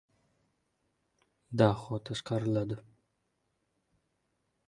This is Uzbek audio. Daho tashqariladi.